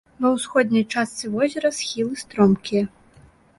Ва ўсходняй частцы возера схілы стромкія.